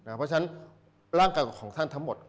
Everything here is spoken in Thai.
เพราะฉะนั้นร่างกายของท่านทั้งหมด